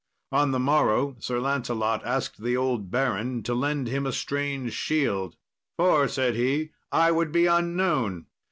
On the morrow, Sir Lancelot asked the old baron to lend him a strange shield. "For," said he, "I would be unknown."